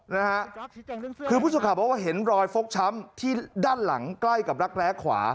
นะฮะคือผู้สื่อข่าวบอกว่าเห็นรอยฟกช้ำที่ด้านหลังใกล้กับรักแร้ขวา